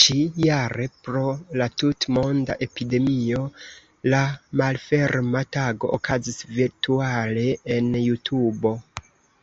Ĉi-jare pro la tut-monda epidemio, la Malferma Tago okazis virtuale en Jutubo.